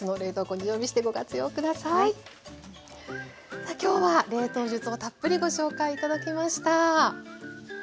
さあ今日は冷凍術をたっぷりご紹介頂きました。